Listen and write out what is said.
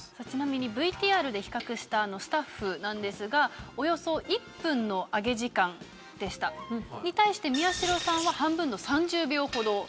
ちなみにＶＴＲで比較したスタッフなんですがおよそ１分の揚げ時間でした。に対して宮代さんは半分の３０秒ほど。